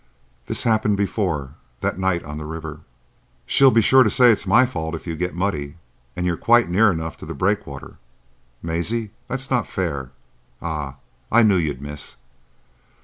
"This happened before. That night on the river." "She'll be sure to say it's my fault if you get muddy, and you're quite near enough to the breakwater. Maisie, that's not fair. Ah! I knew you'd miss.